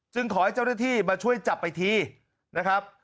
ขอให้เจ้าหน้าที่มาช่วยจับไปทีนะครับ